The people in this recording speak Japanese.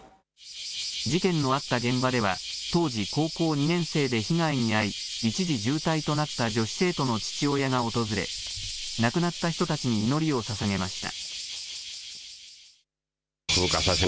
事件のあった現場では当時高校２年生で被害に遭い一時重体となった女子生徒の父親が訪れ亡くなった人たちに祈りをささげました。